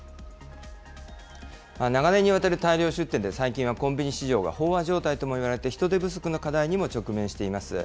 長年にわたる大量出店で、最近はコンビニ市場が飽和状態ともいわれて人手不足の課題にも直面しています。